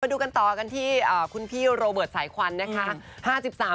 ดูกันต่อกันที่คุณพี่โรเบิร์ตสายควันนะคะ